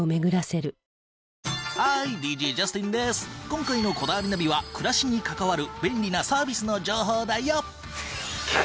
今回の『こだわりナビ』は暮らしに関わる便利なサービスの情報だよ。